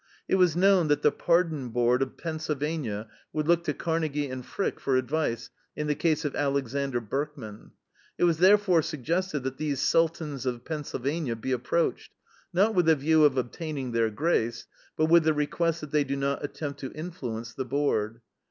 It was known that the Pardon Board of Pennsylvania would look to Carnegie and Frick for advice in the case of Alexander Berkman. It was therefore suggested that these Sultans of Pennsylvania be approached not with a view of obtaining their grace, but with the request that they do not attempt to influence the Board.